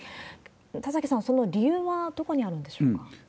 田崎さん、その理由はどこにあるのでしょうか？